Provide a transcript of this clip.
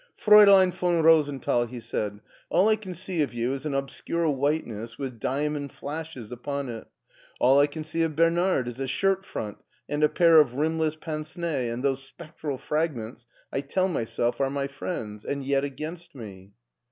" Fraulein von Rosenthal," he said, " all I can see of you is an obscure whiteness with diamond flashes upon it, all I can see of Bernard is a shirt front and a pair of rimless pince nez, and those spectral fragments I tell myself are my friends, and yet against me."